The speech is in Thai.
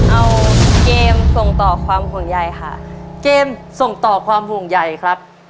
เอาเกมส่งต่อความห่วงใยค่ะเกมส่งต่อความห่วงใหญ่ครับ